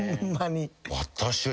私は。